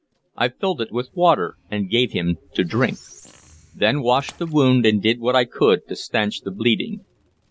I filled it with water and gave him to drink; then washed the wound and did what I could to stanch the bleeding.